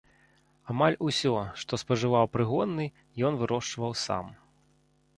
Амаль усё, што спажываў прыгонны, ён вырошчваў сам.